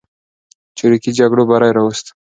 چریکي جګړو بری راوست.